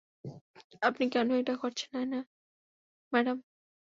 আপনি কেন এটা করছেন, নায়না ম্যাডাম?